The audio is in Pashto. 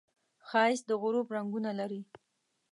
ښایست د غروب رنګونه لري